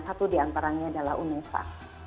satu di antaranya adalah unesa